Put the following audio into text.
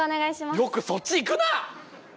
よくそっちいくなあ！